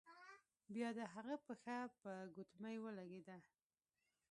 بیا د هغه پښه په ګوتمۍ ولګیده.